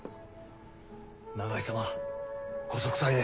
永井様ご息災で。